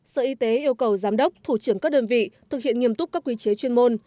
sở y tế yêu cầu giám đốc thủ trưởng các đơn vị thực hiện nghiêm túc các quy chế chuyên môn